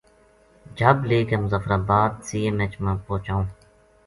اُت ڈاکٹراں نے کہیو اس نا جھب جھب لے کے مظفر آباد سی ایم ایچ ما پوہچاؤں